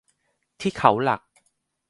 ที่เขาหลัก